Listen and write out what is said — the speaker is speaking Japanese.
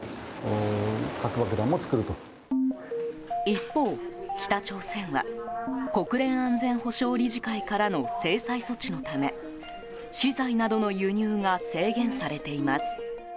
一方、北朝鮮は国連安全保障理事会からの制裁措置のため資材などの輸入が制限されています。